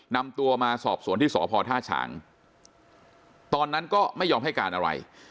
นำตัวมาสอบสวนที่สพท่าฉางตอนนั้นก็ไม่ยอมให้การอะไร